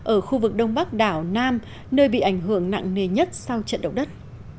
ở khu vực đông bắc đảo nam nơi bị ảnh hưởng nặng nề nhất sau trận động đất